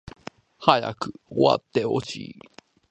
早く終わってほしい